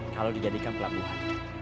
kalau dijadikan pelabuhan